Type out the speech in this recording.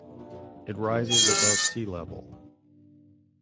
It rises above sea level.